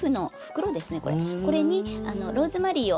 これにローズマリーを。